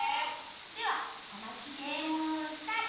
では「こまちゲーム」スタート！